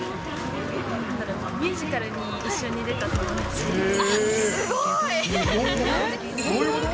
ミュージカルに一緒に出た友すごい。